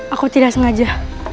aku tidak sengaja